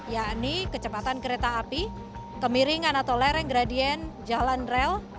yakni kecepatan kereta api kemiringan atau lereng gradien jalan rel